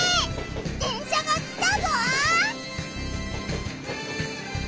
電車が来たぞ！